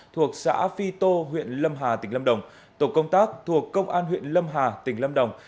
thuộc xã phi tô huyện lâm hà tỉnh lâm đồng tổ công tác thuộc công an huyện lâm hà tỉnh lâm đồng